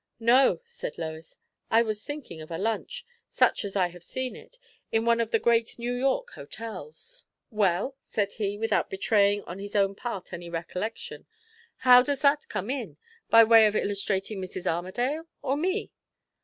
"No," said Lois. "I was thinking of a lunch such as I have seen it in one of the great New York hotels." "Well?" said he, without betraying on his own part any recollection; "how does that come in? By way of illustrating Mrs. Armadale, or me?"